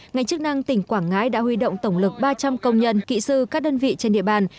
ngành chức năng tỉnh quảng ngãi đã huy động tổng lực ba trăm linh công nhân kỹ sư các đơn vị trên địa bàn